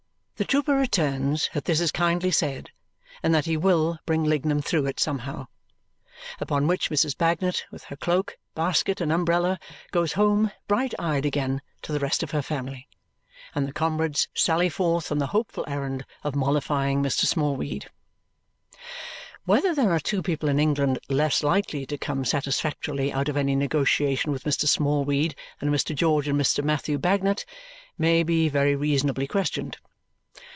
The trooper returns that this is kindly said and that he WILL bring Lignum through it somehow. Upon which Mrs. Bagnet, with her cloak, basket, and umbrella, goes home, bright eyed again, to the rest of her family, and the comrades sally forth on the hopeful errand of mollifying Mr. Smallweed. Whether there are two people in England less likely to come satisfactorily out of any negotiation with Mr. Smallweed than Mr. George and Mr. Matthew Bagnet may be very reasonably questioned.